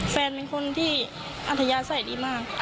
แฟนเป็นคนที่อัธยาศัยดีมาก